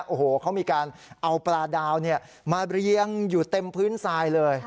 โอ้โหเขามีการเอาปลาดาวมาเรียงอยู่เต็มพื้นทรายเลย